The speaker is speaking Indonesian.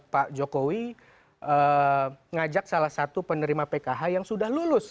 pak jokowi ngajak salah satu penerima pkh yang sudah lulus